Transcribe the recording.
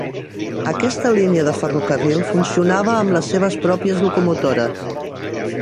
Aquesta línia de ferrocarril funcionava amb les seves pròpies locomotores.